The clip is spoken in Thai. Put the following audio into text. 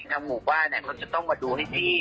ช่างหมู่บ้านเนี่ยมันจะต้องมาดูให้ดี